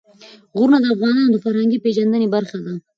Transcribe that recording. غرونه د افغانانو د فرهنګي پیژندنې برخه ده.